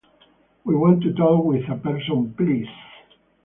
We want to talk with a person, please.